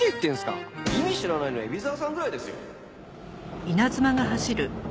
意味知らないの海老沢さんぐらいですよ。